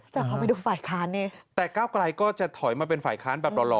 แต่เขาไปดูฝ่ายค้านนี่แต่ก้าวไกลก็จะถอยมาเป็นฝ่ายค้านแบบหล่อ